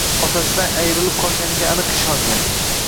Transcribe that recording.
Otasidan ayrilib qolganiga aniq ishongan